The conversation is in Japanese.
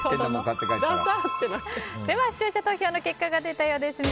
では視聴者投票の結果が出たようです。